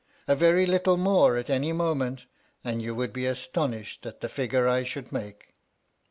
A very little more at any moment, and you •would be astonished at the figure I should make.